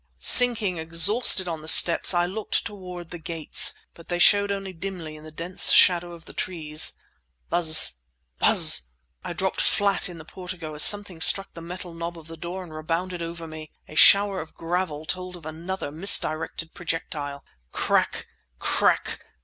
Sinking exhausted on the steps, I looked toward the gates—but they showed only dimly in the dense shadows of the trees. Bzzz! Buzz! I dropped flat in the portico as something struck the metal knob of the door and rebounded over me. A shower of gravel told of another misdirected projectile. Crack! Crack!